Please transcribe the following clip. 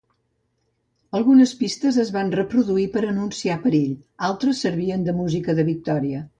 Algunes pistes es van reproduir per anunciar un perill; altres servien de música de victòria.